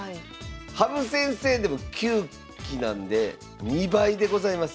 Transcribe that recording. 羽生先生でも９期なんで２倍でございます。